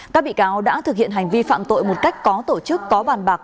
các bị cáo đã thực hiện hành vi phạm tội một cách có tổ chức có bàn bạc